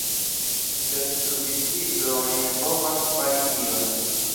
Sed sur biciklo oni ne povas fari tion.